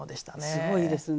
すごいですね。